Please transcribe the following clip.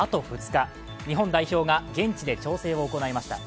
日本代表が現地で調整を行いました。